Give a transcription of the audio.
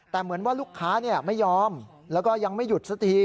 แต่เหมือนว่าลูกค้าไม่ยอมแล้วก็ยังไม่หยุดสักที